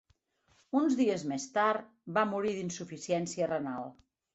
Uns dies més tard, va morir d'insuficiència renal.